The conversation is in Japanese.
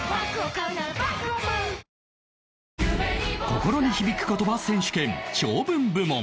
心に響く言葉選手権長文部門